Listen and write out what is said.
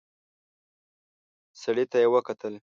سړي ته يې وکتل.